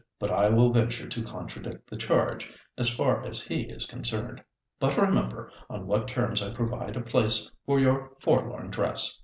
But I will venture to contradict the charge, as far as he is concerned. But remember on what terms I provide a place for your forlorn dress.